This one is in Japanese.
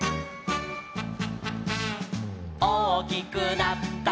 「大きくなったら」